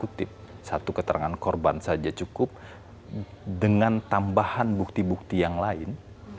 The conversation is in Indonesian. kutip satu keterangan korban saja cukup dengan tambahan bukti bukti yang lain